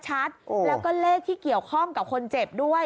แล้วก็เลขที่เกี่ยวข้องกับคนเจ็บด้วย